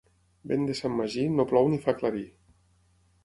Vent de Sant Magí no plou ni fa aclarir.